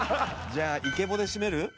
じゃあイケボで締める？